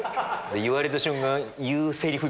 言われた瞬間。